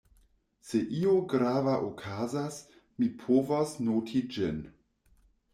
Se io grava okazas, mi povos noti ĝin.